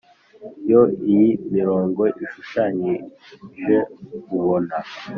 yo iyi mirongo ishushanyije ubona,